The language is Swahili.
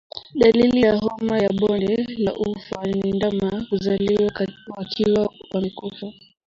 Dalili ya homa ya bonde la ufa ni ndama kuzaliwa wakiwa wamekufa